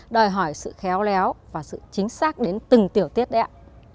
đòi hỏi sự khéo léo và sự chính xác đến từng tiểu tiết ạ